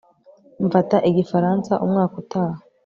mfata igifaransa umwaka utaha